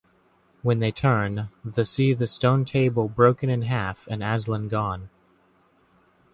When they turn, the see the Stone Table broken in half and Aslan gone.